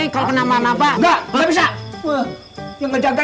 kuelvos mahasiswa lo kek kalau misi ditarik di jatuh